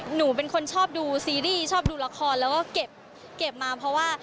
หนูเป็นคนชอบดูซีรีส์ชอบดูละครแล้วก็เก็บมาเพราะว่า